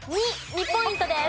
２ポイントです。